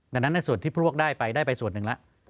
ดังนั้นในส่วนที่พวกได้ไปได้ไปส่วนหนึ่งแล้ว